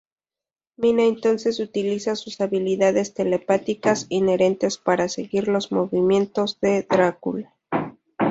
Mina entonces utiliza sus habilidades telepáticas inherentes para seguir los movimientos de Drácula.